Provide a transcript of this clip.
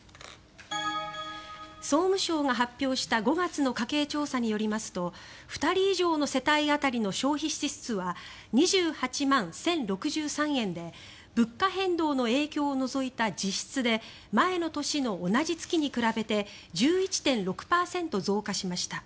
総務省が発表した５月の家計調査によりますと２人以上の世帯当たりの消費支出は２８万１０６３円で物価変動の影響を除いた実質で前の年の同じ月に比べて１１．６％増加しました。